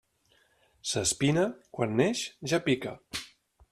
S'espina quan neix ja pica.